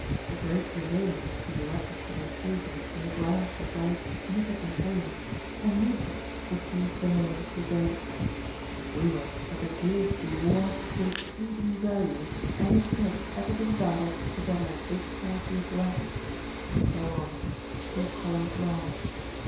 A great pavilion was to be erected for the occasion in the grounds of the bride's magnificent home, and Newport would be for the moment deserted. It was rumored that the jewels to be worn would exceed in value anything that had ever been gathered together this side the Atlantic, and so on, two columns long.